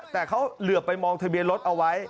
แต่เขาเหลือไปมองทะเบียนรถเอาไว้